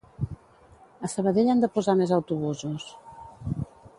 A Sabadell han de posar més autobusos.